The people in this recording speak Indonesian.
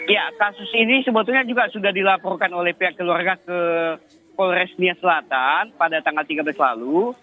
ya kasus ini sebetulnya juga sudah dilaporkan oleh pihak keluarga ke polres nia selatan pada tanggal tiga belas lalu